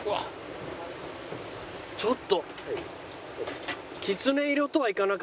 ちょっと。